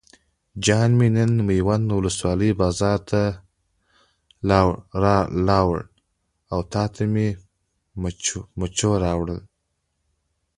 جان مې نن میوند ولسوالۍ بازار ته لاړم او تاته مې مچو راوړل.